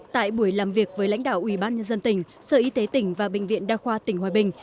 tại buổi làm việc với lãnh đạo ubnd tỉnh sở y tế tỉnh và bệnh viện đa khoa tỉnh hòa bình